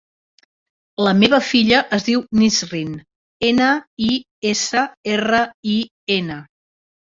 La meva filla es diu Nisrin: ena, i, essa, erra, i, ena.